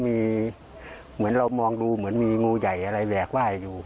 มีเหมือนเรามองดูเหมือนมีงูใหญ่อะไรแหลกไหว้อยู่